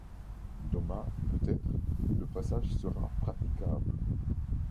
Demain, peut-être, le passage sera praticable.